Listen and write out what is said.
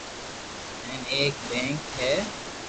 ھين اآڪ بيٺڪ ھي